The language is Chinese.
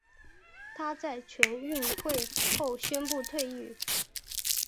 她在全运会后宣布退役。